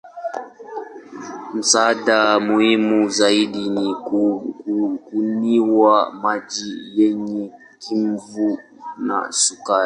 Msaada muhimu zaidi ni kunywa maji yenye chumvi na sukari.